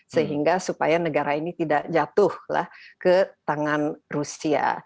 sehingga supaya negara ini tidak jatuh ke tangan rusia